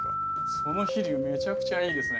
その飛竜めちゃくちゃいいですね。